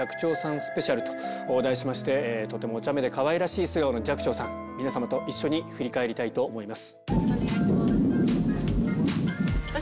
スペシャルと題しまして、とてもおちゃめでかわいらしい素顔の寂聴さん、皆様と一緒に振り返りたいと思います。